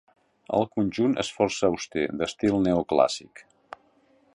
El conjunt és força auster, d'estil neoclàssic.